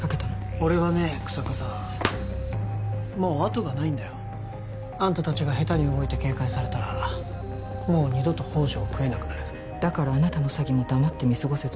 俺はね日下さんもう後がないんだよあんた達が下手に動いて警戒されたらもう二度と宝条を喰えなくなるだからあなたの詐欺も黙って見過ごせと？